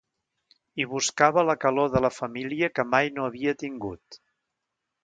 I buscava la calor de la família que mai no havia tingut.